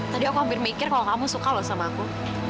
tadi aku hampir mikir kalau kamu suka loh sama aku